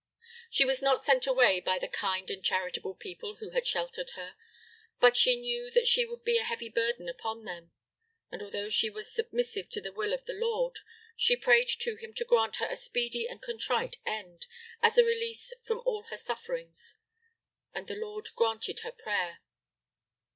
She was not sent away by the kind and charitable people who had sheltered her; but she knew that she would be a heavy burden upon them; and although she was submissive to the will of the Lord, she prayed to Him to grant her a speedy and contrite end, as a release from all her sufferings; and the Lord granted her prayer.